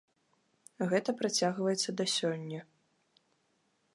Гэта працягваецца да сёння.